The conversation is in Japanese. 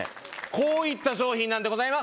こういった商品なんでございます。